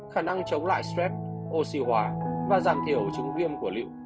khả năng chống lại stress oxy hóa và giảm thiểu trứng viêm của liệu